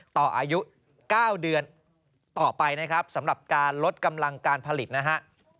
อายุ๙เดือนต่อไปนะครับสำหรับการลดกำลังการผลิตนะฮะ